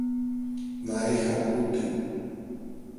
Να είχα πλούτη!